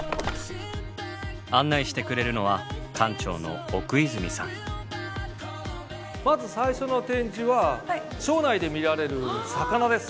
案内してくれるのはまず最初の展示は庄内で見られる魚です。